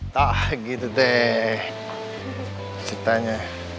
tak gitu deh ceritanya